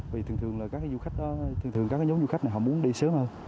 vì thường thường là các du khách thường thường các nhóm du khách này họ muốn đi sớm hơn